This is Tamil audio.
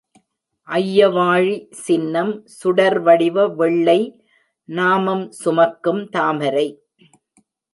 அய்யவாழி சின்னம் சுடர் வடிவ வெள்ளை 'நாமம்' சுமக்கும் தாமரை.